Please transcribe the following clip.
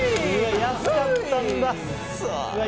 安かったんだ。